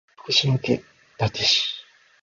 福島県伊達市